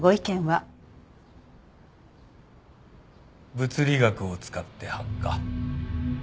物理学を使って発火。